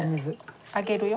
上げるよ。